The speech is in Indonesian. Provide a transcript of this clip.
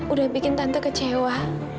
udah bikin tante kecewa